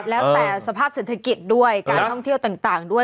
แล้วแต่สภาพเศรษฐกิจด้วยการท่องเที่ยวต่างด้วย